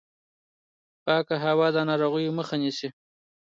پاکه هوا د ناروغیو مخه نیسي.